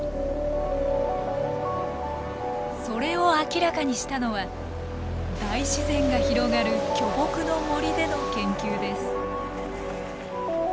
それを明らかにしたのは大自然が広がる巨木の森での研究です。